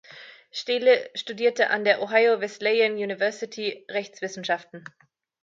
Steele studierte an der Ohio Wesleyan University Rechtswissenschaften.